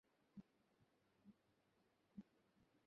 তিনি বিঘিত হয়ে বললেন, বাসায় যাচ্ছি, আর কোথায় যাব?